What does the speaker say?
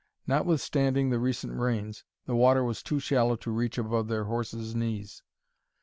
Notwithstanding the recent rains, the water was too shallow to reach above their horses' knees.